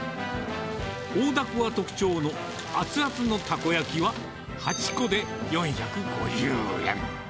大ダコが特徴の、熱々のたこ焼きは、８個で４５０円。